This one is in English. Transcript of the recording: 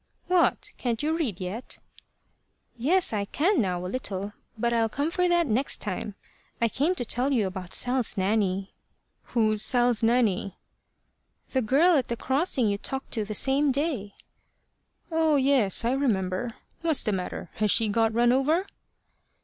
"What! can't you read yet?" "Yes, I can now, a little. But I'll come for that next time. I came to tell you about Sal's Nanny." "Who's Sal's Nanny?" "The girl at the crossing you talked to the same day." "Oh, yes; I remember. What's the matter? Has she got run over?"